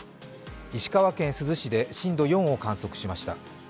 石川県珠洲市で震度４を観測しました。